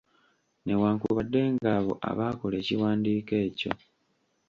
Newankubadde ng’abo abaakola ekiwandiiko ekyo